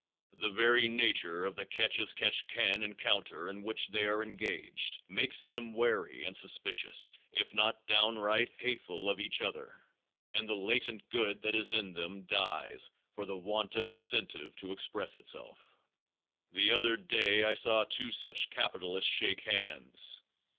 The very nature of the catch as catch can encounter in which they are engaged makes them wary and suspicious, if not downright hateful of each other, and the latent good that is in them dies for the want of incentive to express itself. The other day I saw two such capitalists shake hands.